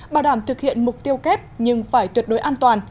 bảo đảm thực hiện mục tiêu kép nhưng phải tuyệt đối an toàn